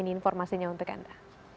ini informasinya untuk anda